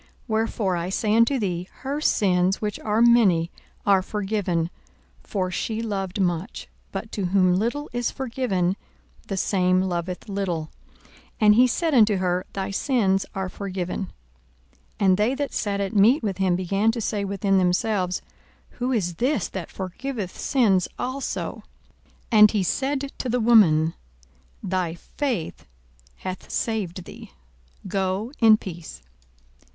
42:007:047 Wherefore I say unto thee, Her sins, which are many, are forgiven; for she loved much: but to whom little is forgiven, the same loveth little. 42:007:048 And he said unto her, Thy sins are forgiven. 42:007:049 And they that sat at meat with him began to say within themselves, Who is this that forgiveth sins also? 42:007:050 And he said to the woman, Thy faith hath saved thee; go in peace.